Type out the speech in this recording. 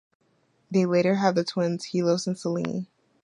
They later have the twins Helios and Selene.